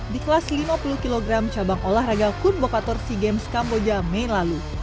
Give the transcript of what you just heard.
di kelas lima puluh kg cabang olahraga kun bokator sea games kamboja mei lalu